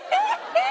えっ！？